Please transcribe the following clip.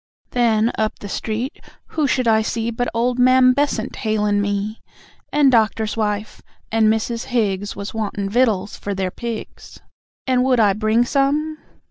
Then, up the street, who should I see, But old Mam Bessant hail'n' me. And Doctor's wife, and Mrs. Higgs Was wantin' vittles for their pigs, And would I bring some?